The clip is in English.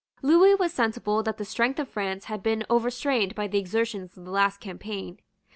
Lewis was sensible that the strength of France had been overstrained by the exertions of the last campaign.